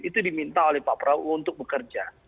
itu diminta oleh pak prabowo untuk bekerja